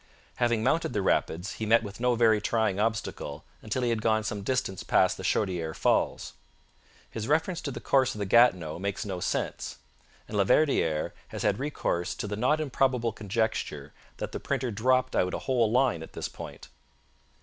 Having mounted the rapids, he met with no very trying obstacle until he had gone some distance past the Chaudiere Falls. His reference to the course of the Gatineau makes no sense, and Laverdiere has had recourse to the not improbable conjecture that the printer dropped out a whole line at this point.